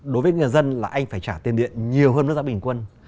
đối với người dân là anh phải trả tiền điện nhiều hơn với giá bình quân